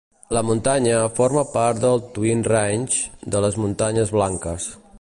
La muntanya forma part del Twin Range de les Muntanyes blanques.